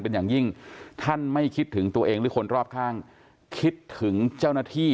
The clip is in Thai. เป็นอย่างยิ่งท่านไม่คิดถึงตัวเองหรือคนรอบข้างคิดถึงเจ้าหน้าที่